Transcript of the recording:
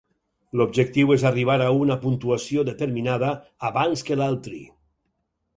L'objectiu és arribar a una puntuació determinada abans que l'altri.